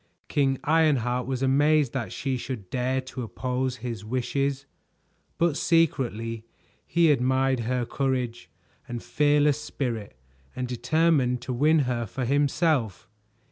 King Ironheart was amazed that she should dare to oppose his wishes, but secretly he admired her courage and fearless spirit and determined to win her for himself.